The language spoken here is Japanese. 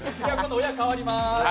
親が変わります。